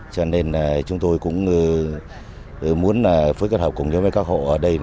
cho nên chúng tôi cũng muốn phối kết hợp cùng đối với các hộ ở đây